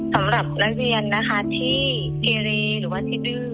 สำหรับนักเรียนที่ทีเรียนหรือว่าที่ดื่ม